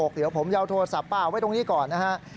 เดี๋ยวผมเอาโทรศัพท์ป้าไว้ตรงนี้ก่อนนะฮะ